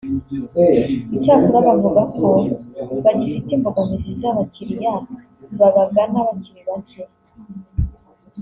Icyakora bavuga ko bagifite imbogamizi z’abakiliya babagana bakiri bacye